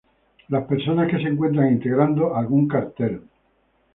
Las personas que se encuentran integrando algún cartel.